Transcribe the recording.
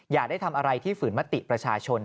อย่าได้ทำอะไรที่ฝืนมติประชาชน